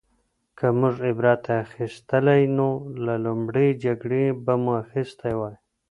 که موږ عبرت اخیستلی نو له لومړۍ جګړې به مو اخیستی وای